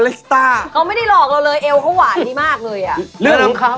เขาไม่ได้หลอกเราเลยเอวเขาหวานดีมากเลย